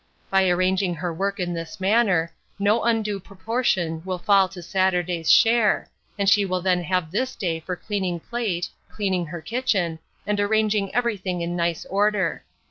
By arranging her work in this manner, no undue proportion will fall to Saturday's share, and she will then have this day for cleaning plate, cleaning her kitchen, and arranging everything in nice order.